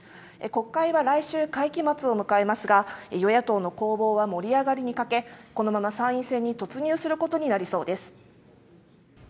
国会は来週、会期末を迎えますが与野党の攻防は盛り上がりに欠けこのまま参院選に突入することになりそうです。